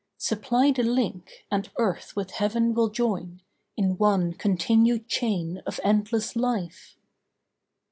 Supply the link, and earth with Heaven will join In one continued chain of endless life.